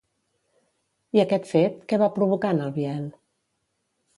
I aquest fet, què va provocar en el Biel?